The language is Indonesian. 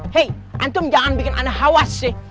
hei antum jangan bikin ana khawas ya